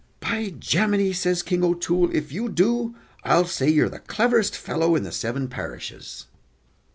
"By Jaminee!" says King O'Toole, "if you do, I'll say you're the cleverest fellow in the seven parishes."